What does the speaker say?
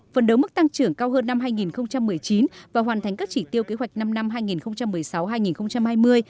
phần đấu mức tăng trưởng cao hơn năm hai nghìn một mươi chín và hoàn thành các chỉ tiêu kế hoạch năm năm hai nghìn một mươi sáu hai nghìn hai mươi